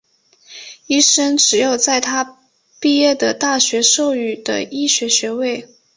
医生持有在他毕业的大学赋予的医学学位。